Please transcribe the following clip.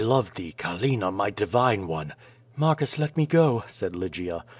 love thee, Callina, my divine one!*' '^Marcus, let me go, said Lygia.